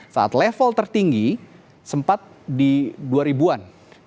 saat level tertinggi sempat di dua ribu an